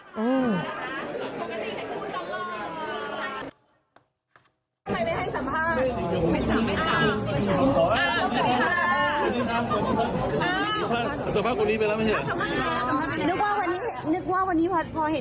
สัมภาษณ์คุณนิดไปแล้วไม่ใช่หรอ